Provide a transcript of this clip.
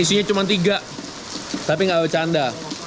isinya cuma tiga tapi nggak bercanda